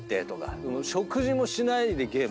食事もしないでゲーム。